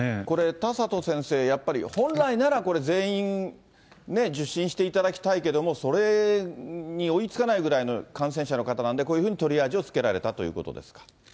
これ、田里先生、やっぱり本来なら、これ全員、受診していただきたいけども、それに追いつかないぐらいの感染者の方なんで、こういうふうにトリアージをつけられたということですか。